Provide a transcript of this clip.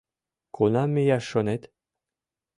Кунам мияш шонет?